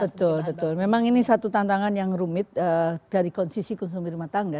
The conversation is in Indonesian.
betul betul memang ini satu tantangan yang rumit dari sisi konsumsi rumah tangga